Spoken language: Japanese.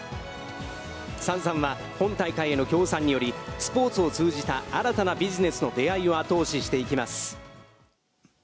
Ｓａｎｓａｎは、本大会への協賛により、スポーツを通じた新たなビジネスの「出会い」を後押していきます。